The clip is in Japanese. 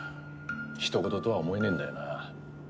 人ごととは思えねえんだよな。